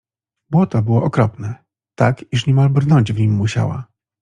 Błoto było okropne — tak, iż niemal brnąć w nim musiała.